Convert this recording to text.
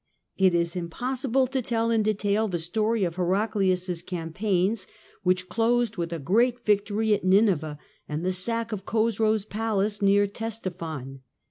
It is impossible to tell in detail the story of Heraclius' campaigns, which closed with a great victory at Nineveh and the sack of Chosroes' palace near Ctesiphon.